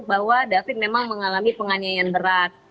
bahwa david memang mengalami penganiayaan berat